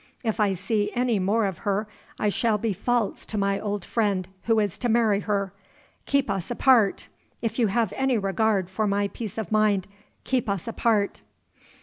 If I see any more of her, I shall be false to my old friend, who is to marry her. Keep us apart. If you have any regard for my peace of mind, keep us apart."